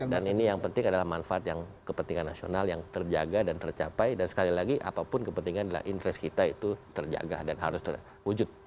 dan ini yang penting adalah manfaat yang kepentingan nasional yang terjaga dan tercapai dan sekali lagi apapun kepentingan adalah interest kita itu terjaga dan harus terwujud